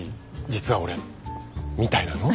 「実は俺」みたいなのね。